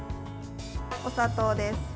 お砂糖です。